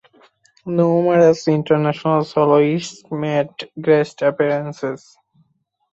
Numerous international soloists made guest appearances.